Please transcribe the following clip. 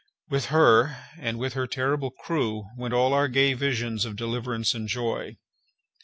With her and with her terrible crew went all our gay visions of deliverance and joy.